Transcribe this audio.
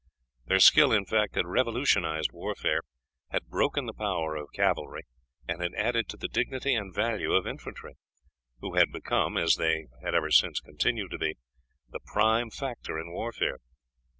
Their skill, in fact, had revolutionized warfare, had broken the power of cavalry, and had added to the dignity and value of infantry, who had become, as they have ever since continued to be, the prime factor in warfare.